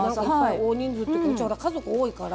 大人数っていうか家族多いから。